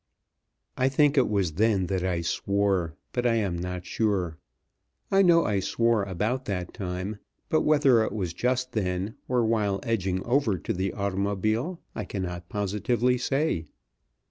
I think it was then that I swore, but I am not sure. I know I swore about that time; but whether it was just then, or while edging over to the automobile, I cannot positively say.